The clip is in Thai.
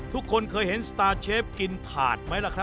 ทุกคนเคยเห็นสตาร์เชฟกินถาดไหมล่ะครับ